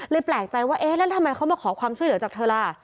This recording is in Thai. แปลกใจว่าเอ๊ะแล้วทำไมเขามาขอความช่วยเหลือจากเธอล่ะ